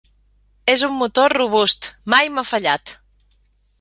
És un motor robust, mai m'ha fallat.